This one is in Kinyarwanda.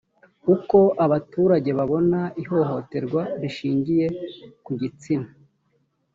uko abaturage babona ihohoterwa rishingiyie ku gitsina